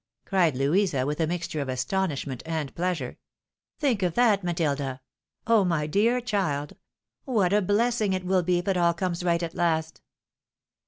" cried Louisa, with a mixture of astonishment and pleasure ;" think of that, Matilda ! Oh! my dear child ! what a blessing it wQi be if it all comes right at last."